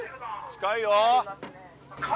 近いよ。